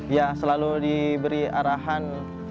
ya selalu diberi arahan